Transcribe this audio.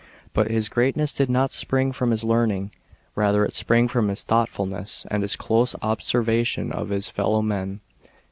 But his greatness did not spring from his learn ing, rather it sprang from his thoughtfulness, and his close observation of his fellow men.